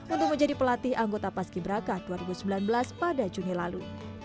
untuk menjadi pelatih anggota paski braka dua ribu sembilan belas pada juni lalu